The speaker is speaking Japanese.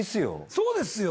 そうですよ。